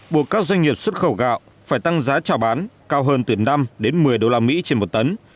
buộc các doanh nghiệp xuất khẩu gạo phải tăng giá trào bán cao hơn từ năm đến một mươi usd trên một tấn